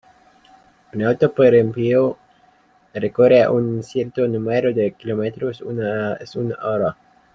Un auto, por ejemplo, recorre un cierto número de kilómetros en una hora.